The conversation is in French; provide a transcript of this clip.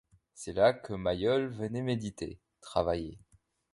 C’est là que Maillol venait méditer, travailler.